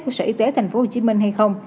của sở y tế tp hcm hay không